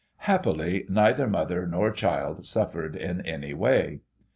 Happily, neither mother, nor child suffered in any way.